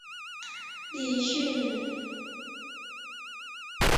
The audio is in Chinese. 李绚人。